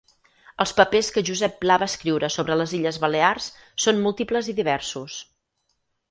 Els papers que Josep Pla va escriure sobre les Illes Balears són múltiples i diversos.